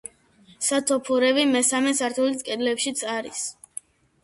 სათოფურები მესამე სართულის კედლებშიც არის.